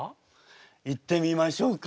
行ってみましょうか。